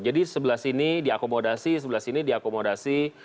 jadi sebelah sini diakomodasi sebelah sini diakomodasi